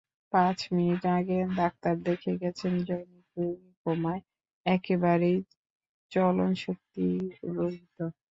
পাঁচ মিনিট আগে ডাক্তার দেখে গেছেন জনৈক রোগী কোমায়, একেবারেই চলনশক্তিরহিত।